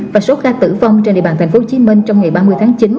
và số ca tử vong trên địa bàn tp hcm trong ngày ba mươi tháng chín